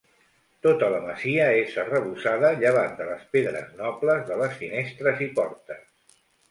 Tota la masia és arrebossada llevat de les pedres nobles de les finestres i portes.